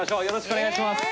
お願いします。